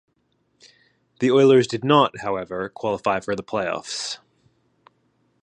The Oilers did not, however, qualify for the playoffs.